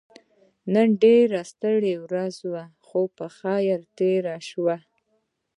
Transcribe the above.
نن ډيره ستړې ورځ وه خو په خير تيره شوه.